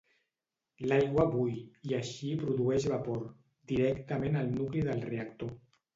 L'aigua bull, i així produeix vapor, directament al nucli del reactor.